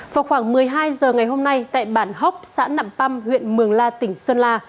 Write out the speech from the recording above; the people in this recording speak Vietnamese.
vào khoảng một mươi hai giờ ngày hôm nay tại bản hóc xã nẵm păm huyện mường la tỉnh sơn la